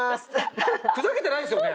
ふざけてないですよね？